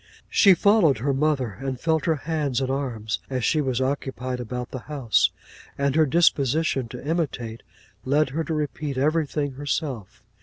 She followed her mother, and felt her hands and arms, as she was occupied about the house; and her disposition to imitate, led her to repeat everything herself.